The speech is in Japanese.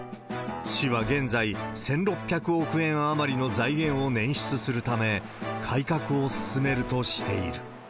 市は現在、１６００億円余りの財源を捻出するため、改革を進めるとしている。